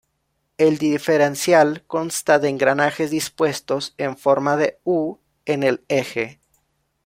El diferencial consta de engranajes dispuestos en forma de "U" en el eje.